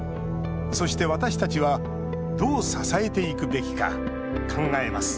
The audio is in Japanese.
そして、私たちはどう支えていくべきか考えます